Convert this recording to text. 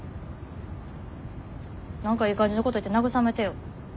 何かいい感じのこと言って慰めてよ。